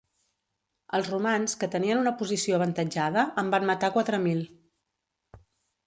Els romans, que tenien una posició avantatjada, en van matar quatre mil.